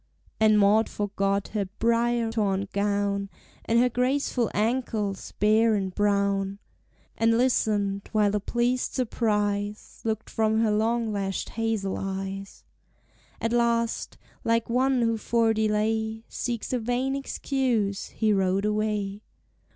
And Maud forgot her brier torn gown, And her graceful ankles, bare and brown, And listened, while a pleased surprise Looked from her long lashed hazel eyes. At last, like one who for delay Seeks a vain excuse, he rode away.